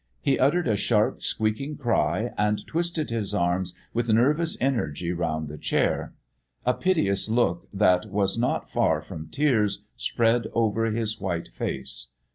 He uttered a sharp, squeaking cry and twisted his arms with nervous energy round the chair. A piteous look that was not far from tears spread over his white face.